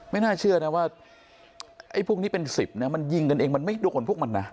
น่าเชื่อนะว่าไอ้พวกนี้เป็น๑๐นะมันยิงกันเองมันไม่โดนพวกมันนะ